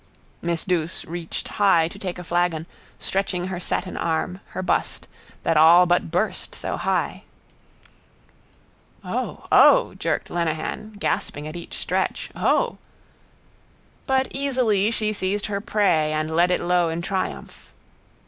Miss Douce reached high to take a flagon, stretching her satin arm, her bust, that all but burst, so high. —O! O! jerked Lenehan, gasping at each stretch. O! But easily she seized her prey and led it low in triumph.